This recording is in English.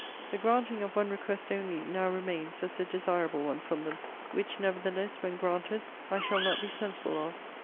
The granting of one request only now remains as a desirable one from them. Which nevertheless, when granted, I shall not be sensible of.